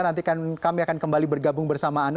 nanti kami akan kembali bergabung bersama anda